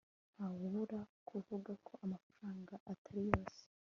ntawabura kuvuga ko amafaranga atari yose